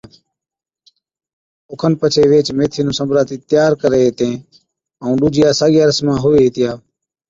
اوکن پڇي ويھِچ ميٿِي نُون سنبراتِي تيار ڪري ھِتين، ائُون ڏُوجيا ساگِيا رسمان ھُوَي ھِتيا